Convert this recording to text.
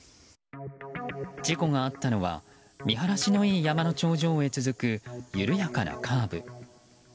事故があったのは見晴らしのいい山の頂上へ続く緩やかなカーブ。